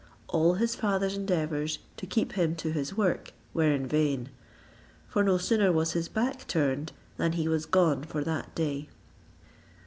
All his father's endeavours to keep him to his work were in vain; for no sooner was his back turned, than he was gone for that day.